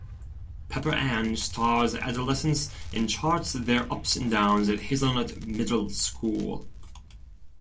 "Pepper Ann" stars adolescents and charts their ups and downs at Hazelnut Middle School.